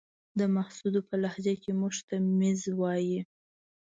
د محسودو په لهجه کې موږ ته ميژ وايې.